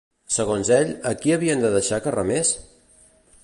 Segons ell, a qui havien de deixar que remés?